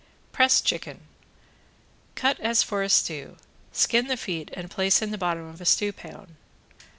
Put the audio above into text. ~PRESSED CHICKEN~ Cut as for a stew. Skin the feet and place in the bottom of a stew pan.